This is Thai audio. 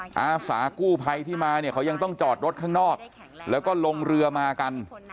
อาสากู้ภัยที่มาเนี่ยเขายังต้องจอดรถข้างนอกแล้วก็ลงเรือมากัน